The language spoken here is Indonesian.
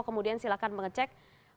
kemudian silahkan mengecek